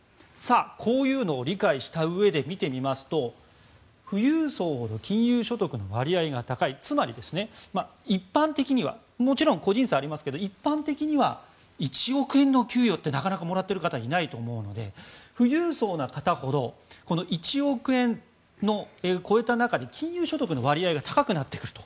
こういうのを理解したうえで見てみますと富裕層ほど金融所得の割合が高いつまり、一般的にはもちろん個人差はありますが一般的には１億円の給与ってなかなか、もらっている方いないと思うので富裕層の方ほどこの１億円を超えた中に金融所得の割合が高くなっていると。